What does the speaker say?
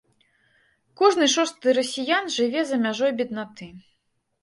Кожны шосты расіян жыве за мяжой беднаты.